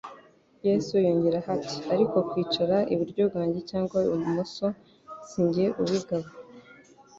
Yesu yongeraho ati : «Ariko kwicara iburyo bwanjye cyangwa ibumoso si njye ubigaba,